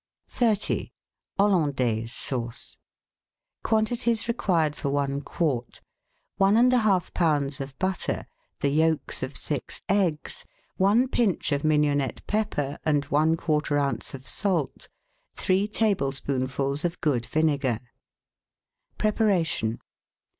30— HOLLANDAISE SAUCE Quantities Required for One Quart. — One and one half lbs. of butter, the yolks of six eggs, one pinch of mignonette pepper and one quarter oz. of salt, three tablespoonfuls of good vinegar. Preparation.